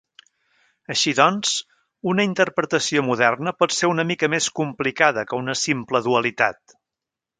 Així doncs, una interpretació moderna pot ser una mica més complicada que una simple dualitat.